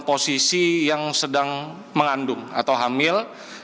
posisi yang sedang mengandung atau hamil